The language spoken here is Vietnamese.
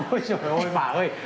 ôi trời ơi bà ơi